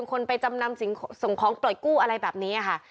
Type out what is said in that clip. คนไปจำนำส่งของปล่อยกู้อะไรแบบนี้ค่ะ